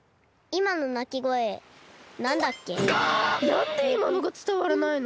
なんでいまのがつたわらないの？